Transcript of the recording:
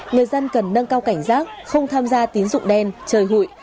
người dân cần nâng cao cảnh giác không tham gia tín dụng đen chơi hụi